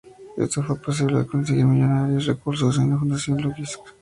Esto fue posible al conseguir millonarios recursos con la Fundación Luksic.